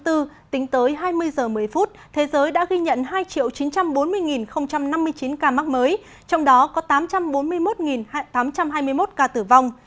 tính tới hai mươi h một mươi phút thế giới đã ghi nhận hai chín trăm bốn mươi năm mươi chín ca mắc mới trong đó có tám trăm bốn mươi một tám trăm hai mươi một ca tử vong